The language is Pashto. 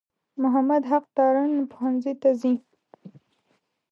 محمد حق تارڼ پوهنځي ته ځي.